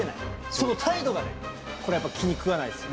その態度がねこれ、やっぱ気にくわないですよ。